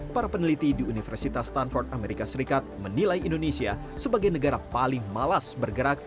para peneliti di universitas stanford amerika serikat menilai indonesia sebagai negara paling malas bergerak